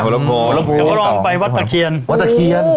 แล้วก็ลองไปวัดตะเคียน